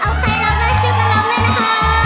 เอาใครรับน่าชื่อกันรับด้วยนะคะ